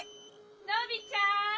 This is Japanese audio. のびちゃん！